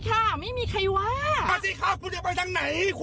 ตังค์มึงยังไม่จ่ายมึงจะไปไหน